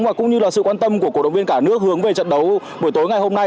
và cũng như là sự quan tâm của cổ động viên cả nước hướng về trận đấu buổi tối ngày hôm nay